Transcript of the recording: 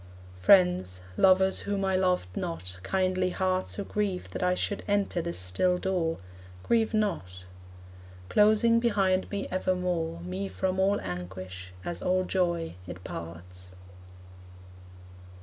Friends, lovers whom I loved not, kindly hearts Who grieve that I should enter this still door, Grieve not. Closing behind me evermore, Me from all anguish, as all joy, it parts.